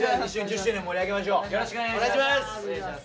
よろしくお願いします。